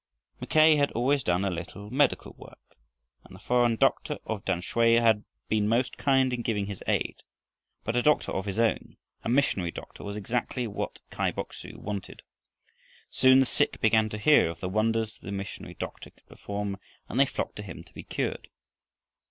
Mackay had always done a little medical work, and the foreign doctor of Tamsui had been most kind in giving his aid, but a doctor of his own, a missionary doctor, was exactly what Kai Bok su wanted. Soon the sick began to hear of the wonders the missionary doctor could perform, and they flocked to him to be cured.